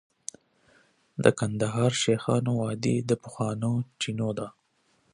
د کندهار شیخانو وادي د پخوانیو چینو ده